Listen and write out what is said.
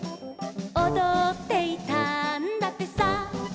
「おどっていたんだってさ」